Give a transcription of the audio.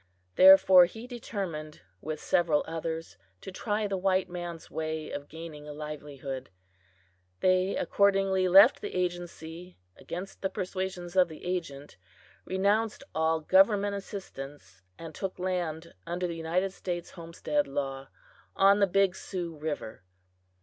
Therefore he determined, with several others, to try the white man's way of gaining a livelihood. They accordingly left the agency against the persuasions of the agent, renounced all government assistance, and took land under the United States Homestead law, on the Big Sioux river.